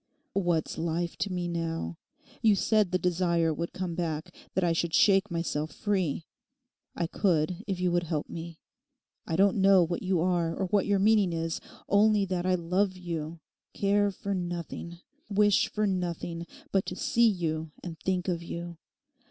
'What's life to me now. You said the desire would come back; that I should shake myself free. I could if you would help me. I don't know what you are or what your meaning is, only that I love you; care for nothing, wish for nothing but to see you and think of you.